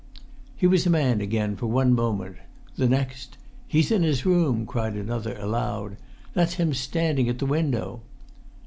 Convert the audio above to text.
He was a man again for one moment; the next, "He's in his room," cried another, aloud; "that's him standing at the window!"